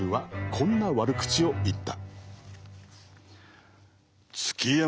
こんな悪口を言った。